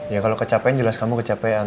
ya kalau kecapean jelas kamu kecapean